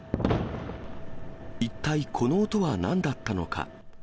一体、この音はなんだったのか。